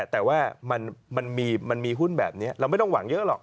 แต่ว่ามันมีหุ้นแบบนี้เราไม่ต้องหวังเยอะหรอก